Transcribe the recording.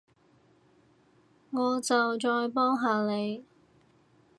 我就再幫下你